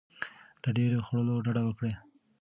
له ډیر خوړلو ډډه وکړئ.